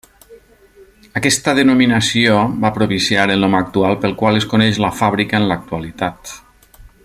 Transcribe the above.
Aquesta denominació va propiciar el nom actual pel qual es coneix la fàbrica en l'actualitat.